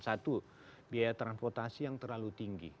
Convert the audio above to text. satu biaya transportasi yang terlalu tinggi